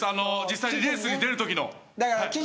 実際レースに出るときの。